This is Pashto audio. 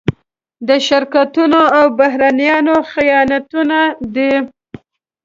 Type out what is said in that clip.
د شرکتونو او بهرنيانو خیانتونه دي.